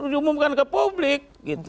perlu diumumkan ke publik